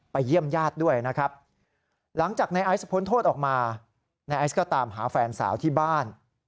เยี่ยมญาติด้วยนะครับหลังจากในไอซ์พ้นโทษออกมานายไอซ์ก็ตามหาแฟนสาวที่บ้าน